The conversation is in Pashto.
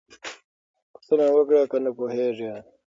پوښتنه وکړه که نه پوهېږې.